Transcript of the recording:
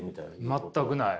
全くない。